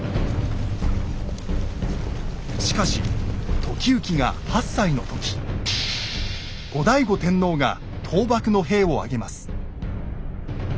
しかし時行が８歳の時後醍醐天皇が倒幕の兵を挙げます。